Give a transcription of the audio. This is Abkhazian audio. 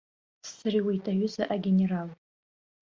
Сӡырҩуеит, аҩыза агенерал!